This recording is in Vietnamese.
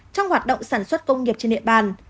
trong hoạt động sản xuất công nghiệp trên địa bàn